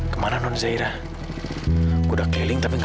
kamu tuh gak pernah pikirin ibu ya